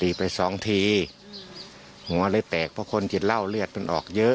ไปสองทีหัวเลยแตกเพราะคนติดเหล้าเลือดมันออกเยอะ